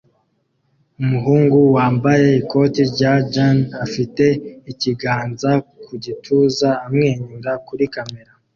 Umuhungu wambaye ikoti rya jean afite ikiganza ku gituza amwenyura kuri kamera